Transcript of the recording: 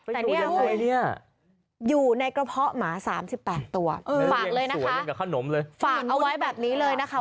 แต่เนี่ยอยู่ในกระเพาะหมา๓๘ตัวฝากเลยนะคะฝากเอาไว้แบบนี้เลยนะคะ